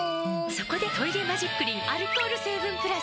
そこで「トイレマジックリン」アルコール成分プラス！